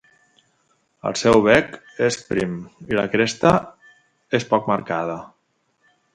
El seu bec és prim i la cresta és poc marcada.